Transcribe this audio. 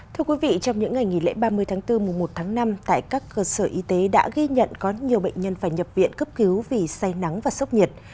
thưa quý vị trong những ngày nghỉ lễ ba mươi tháng bốn mùa một tháng năm tại các cơ sở y tế đã ghi nhận có nhiều bệnh nhân phải nhập viện cấp cứu vì say nắng và sốc nhiệt